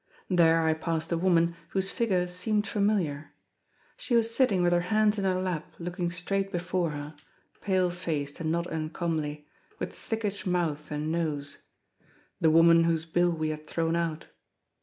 There I passed a woman whose figure seemed familiar. She was sitting with her hands in her lap looking straight before her, pale faced and not uncomely, with thickish mouth and nose—the woman whose bill we had thrown out.